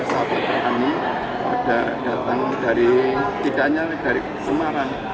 satu satunya ada datang dari tidak hanya dari semarang